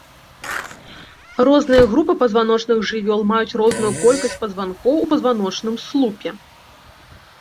Розныя групы пазваночных жывёл маюць розную колькасць пазванкоў у пазваночным слупе.